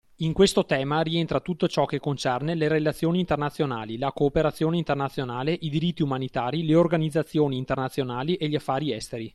In questo tema rientra tutto ciò che concerne le relazioni internazionali, la cooperazione internazionale, i diritti umanitari, le organizzazioni internazionali e gli affari esteri.